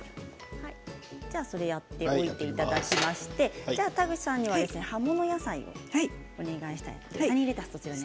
それをやっていただいて田口さんには葉物野菜をお願いします。